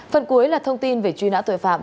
phần cuối là thông tin về truy nã tội phạm